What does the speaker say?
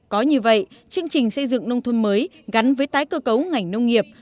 có như vậy chương trình xây dựng nông thôn mới gắn với tái cơ cấu ngành nông nghiệp